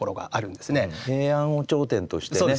平安を頂点としてね